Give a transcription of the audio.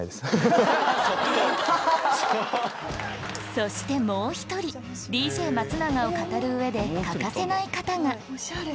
そしてもうひとりＤＪ松永を語る上で欠かせない方がおしゃれ。